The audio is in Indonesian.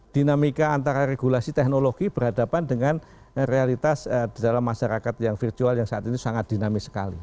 dinamika antara regulasi teknologi berhadapan dengan realitas di dalam masyarakat yang virtual yang saat ini sangat dinamis sekali